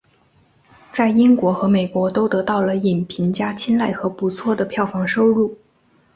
在英国和美国都得到了影评家青睐和不错的票房收入。